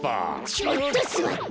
ちょっとすわって！